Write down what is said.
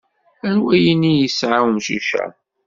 Anwa yini isεa umcic-a?